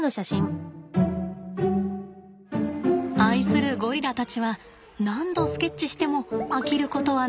愛するゴリラたちは何度スケッチしても飽きることはないのだそうです。